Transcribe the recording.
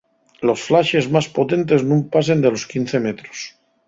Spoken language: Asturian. Los flaxes más potentes nun pasen de los quince metros.